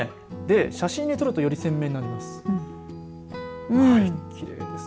写真で撮るとより鮮明になるんです。